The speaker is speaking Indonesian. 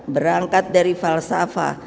berangkat dari falsafah